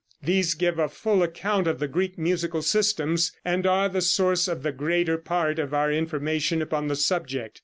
These give a full account of the Greek musical systems, and are the source of the greater part of our information upon the subject.